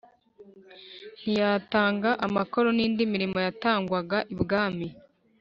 ntiyatanga amakoro n'indi mirimo yatangwaga ibwami.